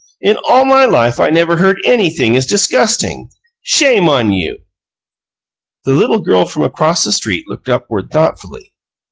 "In all my life I never heard anything as disgusting! Shame on you!" The little girl from across the street looked upward thoughtfully.